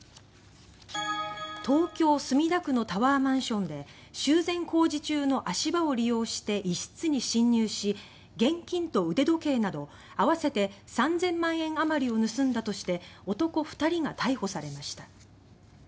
東京・墨田区のタワーマンションで修繕工事中の足場を利用して一室に侵入し、現金と腕時計など合わせて３０００万円相当を盗んだとして男２人が逮捕されました。